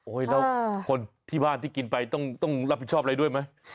แล้วคนที่บ้านที่กินไปต้องรับผิดชอบอะไรด้วยไหม